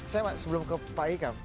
saya maksudnya sebelum ke pak ika